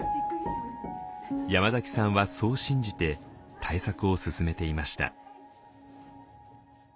山崎さんはそう信じて対策を進めていました。